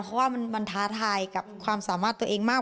เพราะว่ามันท้าทายกับความสามารถตัวเองมาก